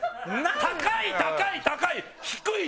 「高い高い高い」「低い」じゃん！